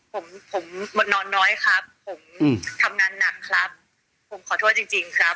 ผมผมนอนน้อยครับผมทำงานหนักครับผมขอโทษจริงจริงครับ